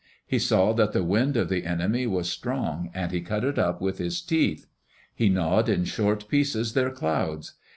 He saw that the wind of the enemy was strong and he cut it up with his teeth. He gnawed in short pieces their clouds.